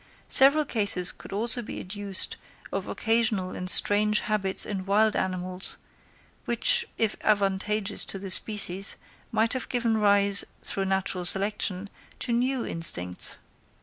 Several cases could also be adduced of occasional and strange habits in wild animals, which, if advantageous to the species, might have given rise, through natural selection, to new instincts.